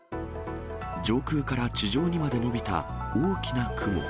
上空から地上にまで延びた大きな雲。